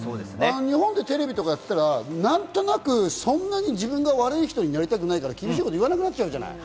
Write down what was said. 日本でテレビとかやってたら何となくそんなに自分が悪い人になりたくないから、厳しいことを言わなくなっちゃうじゃない。